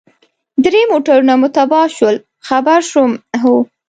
درې موټرونه مو تباه شول، خبر شوم، هو.